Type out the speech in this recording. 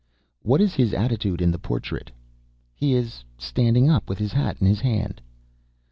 "What is his attitude in this portrait?" "He is standing up with his hat in his hand."